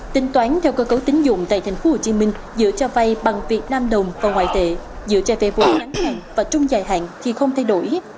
tính toán theo cơ cấu tín dụng tại tp hcm giữa cho vay bằng vnđ và ngoại tệ giữa cho vay vô ngắn hạn và trung dài hạn thì không thay đổi